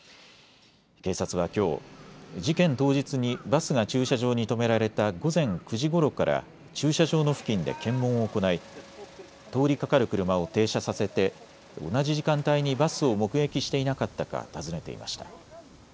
警察はきょう、事件当日にバスが駐車場に止められた午前９時ごろから駐車場の付近で検問を行い通りかかる車を停車させて同じ時間帯にバスを目撃していなかったか尋ねていました。